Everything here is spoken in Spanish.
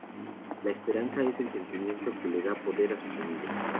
La esperanza es el sentimiento que le da poder a sus anillos.